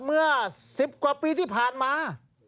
เมื่อ๑๐กว่าปีที่ผ่านมา